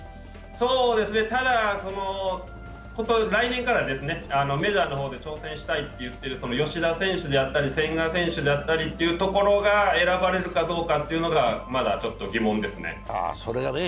ただ来年からメジャーの方で挑戦したいと言っている吉田選手だったり千賀選手が選ばれるかどうかというのがまだちょっと疑問ですね。